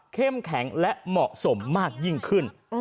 แข็งและเหมาะสมมากยิ่งขึ้น